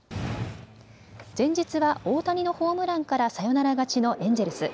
前日は大谷のホームランからサヨナラ勝ちのエンジェルス。